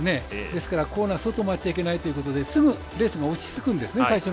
ですからコーナー外を回っちゃいけないということですぐレースが落ち着くんですね。